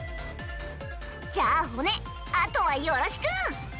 じゃあ骨あとはよろしく！